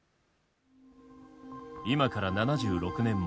今から７６年前。